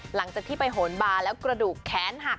หลังจากที่ไปโหนบาแล้วกระดูกแขนหัก